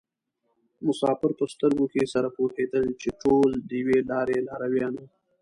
مسافر په سترګو کې سره پوهېدل چې ټول د یوې لارې لارویان وو.